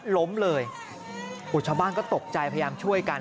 ล้มเลยชาวบ้านก็ตกใจพยายามช่วยกัน